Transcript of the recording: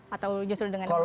atau justru dengan rasional ya